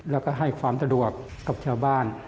แล้วก็ให้ความสะดวกกับชาวบ้าน